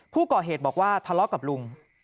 ผู้ก่อเหตุบอกว่าทะเลาะกับลุง